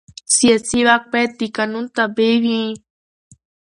سیاسي واک باید د قانون تابع وي